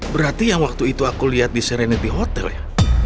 berarti yang waktu itu aku lihat di sereni di hotel ya